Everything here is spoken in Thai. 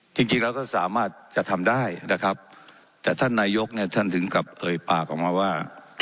จริงจริงแล้วก็สามารถจะทำได้นะครับแต่ท่านนายกเนี่ยท่านถึงกับเอ่ยปากออกมาว่า